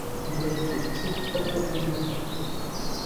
চিৎকার করব না।